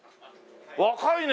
若いね！